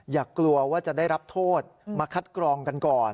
อย่ากลัวว่าจะได้รับโทษมาคัดกรองกันก่อน